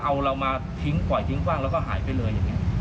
เอาเรามาทิ้งปล่อยทิ้งกว้างแล้วก็หายไปเลยอย่างนี้